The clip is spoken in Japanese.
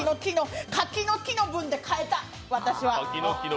柿の木の分で買えた、私は！